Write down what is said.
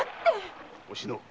おしの。